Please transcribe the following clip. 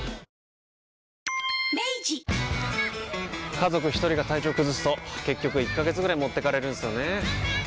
家族一人が体調崩すと結局１ヶ月ぐらい持ってかれるんすよねー。